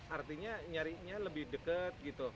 artinya nyarinya lebih dekat gitu